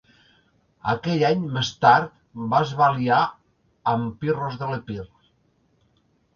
Aquell any, més tard, va es va aliar amb Pirros de l'Epir.